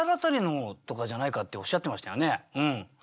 昭和あたりのとかじゃないかっておっしゃってましたよね。